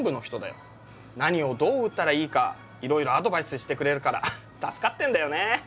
何をどう売ったらいいかいろいろアドバイスしてくれるから助かってんだよね。